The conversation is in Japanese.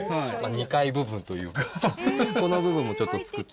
２階部分というかこの部分もちょっと作ってあげて。